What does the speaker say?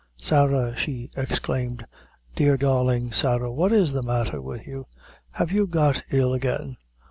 "Sarah!" she exclaimed; "dear, darling Sarah, what is the matter with you? Have you got ill again?"